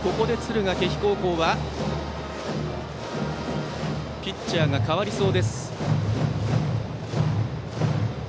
ここで、敦賀気比高校はピッチャーが代わりそうです。